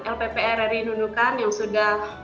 lppr rari nunukan yang sudah